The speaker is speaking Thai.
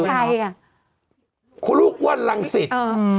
นี่คือลูกว่านลังศิษย์